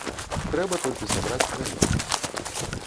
Трэба толькі сабраць даведкі.